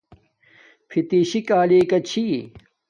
فتشی کالی کا چھی